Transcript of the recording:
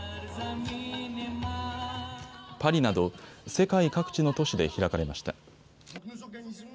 パリなど世界各地の都市で開かれました。